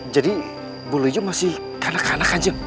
jadi bolo ijo masih kanak kanak kanjeng